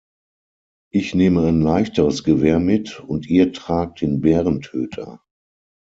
Ich nehme ein leichteres Gewehr mit, und Ihr tragt den Bärentöter!